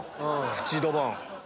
プチドボン。